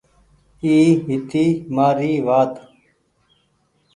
اي هيتي مآري وآت۔